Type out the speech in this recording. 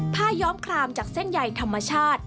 ย้อมคลามจากเส้นใยธรรมชาติ